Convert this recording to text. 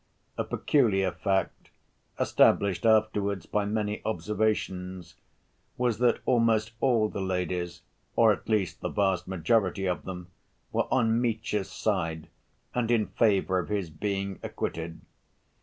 A peculiar fact—established afterwards by many observations—was that almost all the ladies, or, at least the vast majority of them, were on Mitya's side and in favor of his being acquitted.